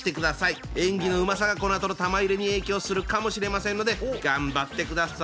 演技のうまさがこのあとの玉入れに影響するかもしれませんので頑張ってください。